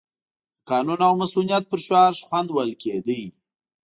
د قانون او مصونیت پر شعار شخوند وهل کېده.